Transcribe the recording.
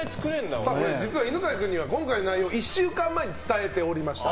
実は犬飼君には今回の内容を１週間前に伝えておりました。